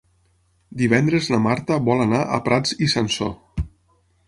Divendres na Marta vol anar a Prats i Sansor.